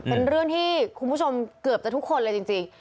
เป็นเรื่องที่คุณผู้ชมเกือบจะทุกคนเลยจริง